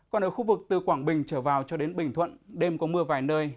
còn ở khu vực từ quảng bình trở vào cho đến bình thuận đêm có mưa vài nơi